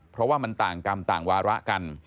เพราะว่ามันต่างกรรมต่างวาระกัน